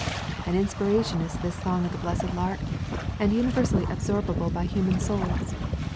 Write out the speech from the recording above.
An inspiration is this song of the blessed lark, and universally absorbable by human souls.